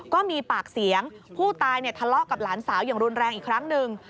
ก็มีปากเสียงผู้ตายทะเลาะกับหลานสาวอย่างรุนแรงอีกครั้งหนึ่ง